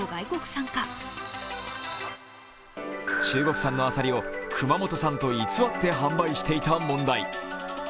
中国産のあさりを熊本産と偽って販売していた問題。